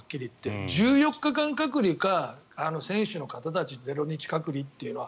１４日間隔離か、選手の方たち０日隔離っていうのは。